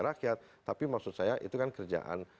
rakyat tapi maksud saya itu kan kerjaan